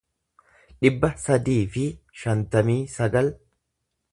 dhibba sadii fi shantamii sagal